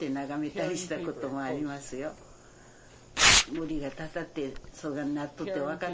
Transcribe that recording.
無理がたたってそがんなっとって分かっ